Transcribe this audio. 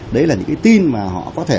đấy là những tin mà họ có thể